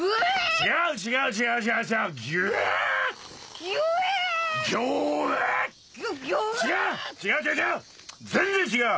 違う違う！